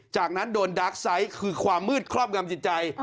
จากนั้นโดนดาร์กไซต์คือความมืดครอบงำจิตใจ